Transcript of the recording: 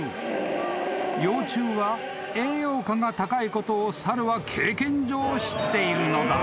［幼虫は栄養価が高いことを猿は経験上知っているのだ］